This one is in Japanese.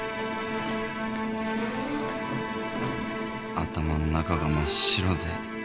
頭の中が真っ白で。